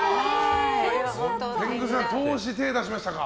天狗さん投資に手を出しましたか。